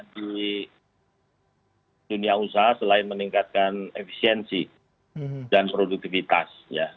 jadi dunia usaha selain meningkatkan efisiensi dan produktivitas ya